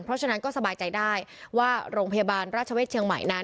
เพราะฉะนั้นก็สบายใจได้ว่าโรงพยาบาลราชเวศเชียงใหม่นั้น